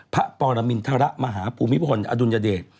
พระปรมินทรมาหาภูมิพลอดุลยเดช